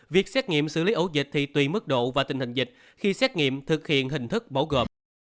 việc xét nghiệm xử lý ổ dịch thì tùy mức độ và tình hình dịch khi xét nghiệm thực hiện hình thức bổ gồm